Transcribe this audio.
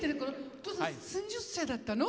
お父さん、３０歳だったの？